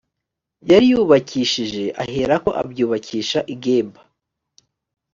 yari yubakishije aherako abyubakisha i geba